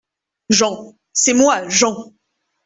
JEAN : C’est moi, Jean.